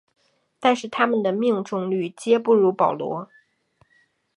但是它们的命中率皆不如保罗。